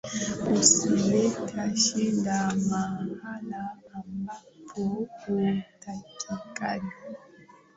Usilete shida mahala ambapo hautakikani